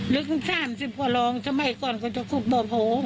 ลึก๓๐กว่าลองทำไมก่อนก็จะคุกบ่อโผง